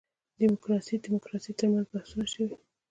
دیموکراسي دیموکراسي تر منځ بحثونه شوي.